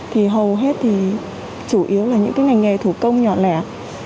thì hầu hết thì chủ yếu là những cái ngành nghề thủ công nhỏ lẻ